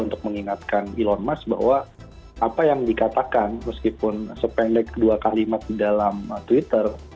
untuk mengingatkan elon musk bahwa apa yang dikatakan meskipun sependek dua kalimat di dalam twitter